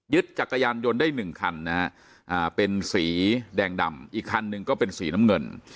จักรยานยนต์ได้๑คันนะฮะเป็นสีแดงดำอีกคันหนึ่งก็เป็นสีน้ำเงิน